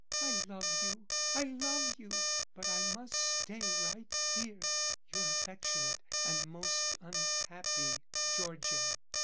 I love you I love you but I must stay right here. Your affectionate and most unhappy Georgian.